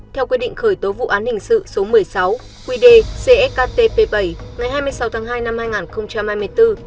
theo quy định khởi tố vụ án hình sự số một mươi sáu quy đề csktp bảy ngày hai mươi sáu tháng hai năm hai nghìn hai mươi bốn